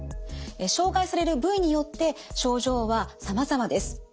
障害される部位によって症状はさまざまです。